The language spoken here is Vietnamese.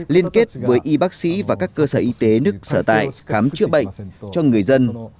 liên kết với y bác sĩ và các cơ sở y tế nước sở tại khám chữa bệnh cho người dân